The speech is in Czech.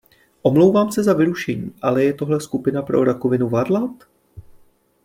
Omlouvám se za vyrušení, ale je tohle skupina pro rakovinu varlat?